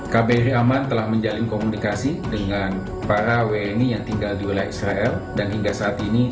kbri aman telah menjalin komunikasi dengan para pemerintah israel dan iran